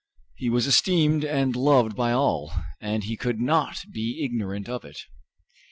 He was esteemed and loved by all, and he could not be ignorant of it.